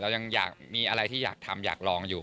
ยังอยากมีอะไรที่อยากทำอยากลองอยู่